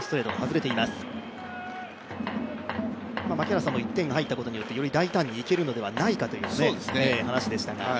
槙原さんも１点が入ったことによってより大胆にいけるのではないかという話でした。